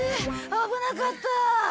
危なかった。